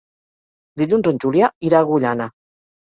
Dilluns en Julià irà a Agullana.